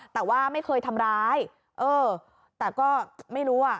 แต่ว่าไม่เคยทำร้ายเออแต่ก็ไม่รู้อ่ะ